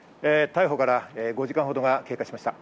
逮捕から５時間ほどが経過しました。